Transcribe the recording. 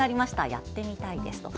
やってみたいですと。